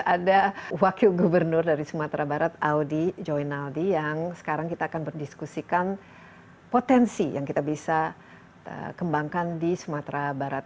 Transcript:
ada wakil gubernur dari sumatera barat audi joinaldi yang sekarang kita akan berdiskusikan potensi yang kita bisa kembangkan di sumatera barat